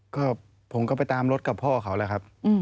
ก็ผมก็ไปตามรถกับพ่อเขา